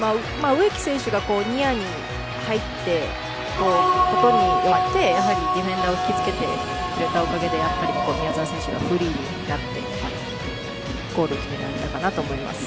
植木選手がニアに入ったことでディフェンダーを引きつけてくれたおかげで宮澤選手がフリーになってゴールを決められたと思います。